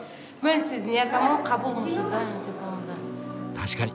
確かに。